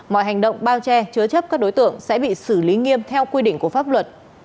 mọi hành động bao che chứa chấp các đối tượng sẽ bị xử lý nghiêm theo quy định của pháp luật